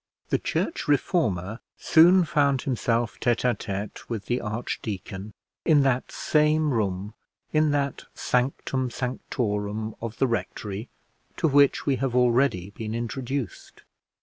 The church reformer soon found himself tête à tête with the archdeacon in that same room, in that sanctum sanctorum of the rectory, to which we have already been introduced.